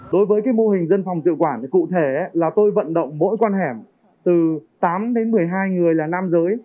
đối với cái mô hình dân phòng tự quản thì cụ thể là tôi vận động mỗi con hẻm từ tám đến một mươi hai người là nam giới